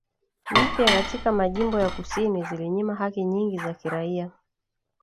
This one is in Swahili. mpya katika majimbo ya kusini zilinyima haki nyingi za kiraia